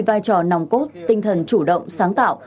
vai trò nòng cốt tinh thần chủ động sáng tạo